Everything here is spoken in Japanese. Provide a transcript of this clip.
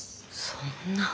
そんな。